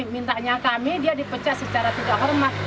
mintanya kami dia dipecah secara tidak hormat